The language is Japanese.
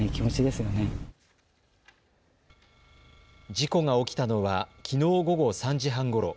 事故が起きたのはきのう午後３時半ごろ。